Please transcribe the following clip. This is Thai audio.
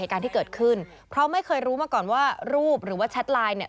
การที่เกิดขึ้นเพราะไม่เคยรู้มาก่อนว่ารูปหรือว่าแชทไลน์เนี่ย